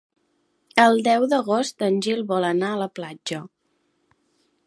El deu d'agost en Gil vol anar a la platja.